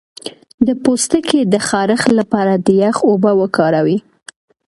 د پوستکي د خارښ لپاره د یخ اوبه وکاروئ